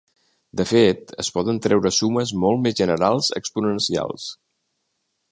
De fet, es poden treure sumes molt més generals exponencials.